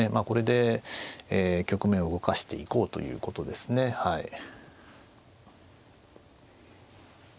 これで局面を動かしていこうということですねはい。